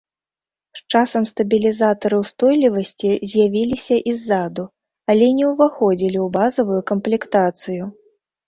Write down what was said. З часам стабілізатары ўстойлівасці з'явіліся і ззаду, але не ўваходзілі ў базавую камплектацыю.